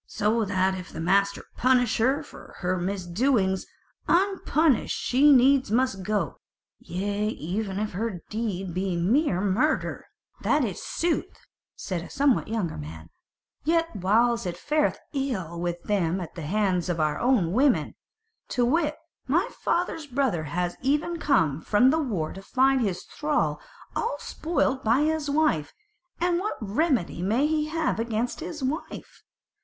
So that if the master punish her not for her misdoings, unpunished she needs must go; yea even if her deed be mere murder." "That is sooth," said a somewhat younger man; "yet whiles it fareth ill with them at the hands of our women. To wit, my father's brother has even now come from the war to find his thrall all spoilt by his wife: and what remedy may he have against his wife?